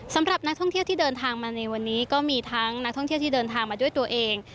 สำหรับนักท่องเที่ยวที่เดินทางมาในวันนี้ก็มีทั้งนักท่องเที่ยวที่เดินทางมาด้วยตัวเอง